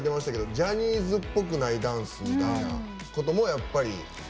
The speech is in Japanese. ジャニーズっぽくないダンスみたいなこともやっぱり？